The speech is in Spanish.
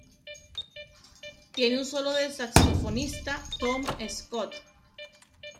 Tiene un solo del saxofonista Tom Scott.